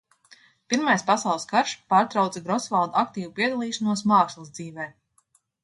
Pirmais pasaules karš pārtrauca Grosvalda aktīvu piedalīšanos mākslas dzīvē.